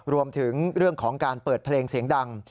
รวมถึงเรื่องของการเปิดเพลงเสียงดัง